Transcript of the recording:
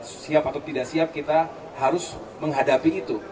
kalau siap atau tidak siap kita harus menghadapi itu